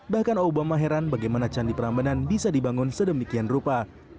bahkan obama heran bagaimana candi prambanan bisa dibangun sedemikian rupa